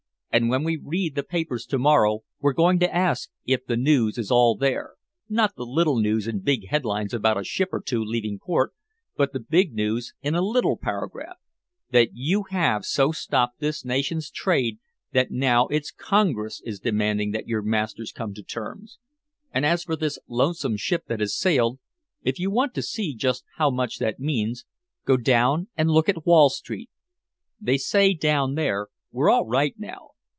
And when we read the papers to morrow we're going to ask if the news is all there not the little news in big headlines about a ship or two leaving port, but the big news in a little paragraph, that you have so stopped this nation's trade that now its Congress is demanding that your masters come to terms! And as for this lonesome ship that has sailed, if you want to see just how much that means, go down and look at Wall Street. They say down there, 'We're all right now.'